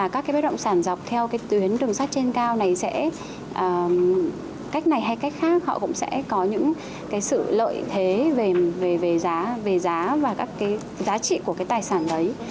các tuyến đường sắt trên cao này sẽ có những sự lợi thế về giá và các giá trị của tài sản đấy